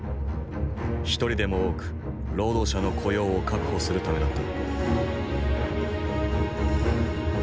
一人でも多く労働者の雇用を確保するためだった。